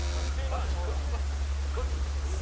×ですか。